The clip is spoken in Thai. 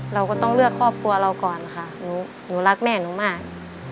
เราก็ต้องเลือกครอบครัวเราก่อนค่ะหนูรักแม่หนูมาก